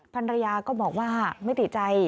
ภรรยาก็บอกว่าไม่ติดใจ